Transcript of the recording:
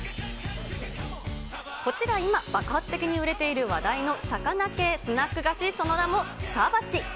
こちら今、爆発的に売れている話題の魚系スナック菓子、その名もサバチ。